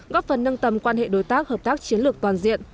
góp phần nâng tầm quan hệ đối tác hợp tác chiến lược toàn diện